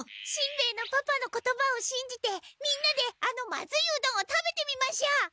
しんべヱのパパの言葉をしんじてみんなであのまずいうどんを食べてみましょう！